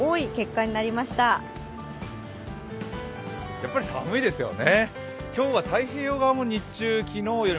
やっぱり寒いですよね。